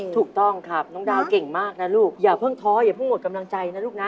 ถูกต้องครับน้องดาวเก่งมากนะลูกอย่าเพิ่งท้ออย่าเพิ่งหมดกำลังใจนะลูกนะ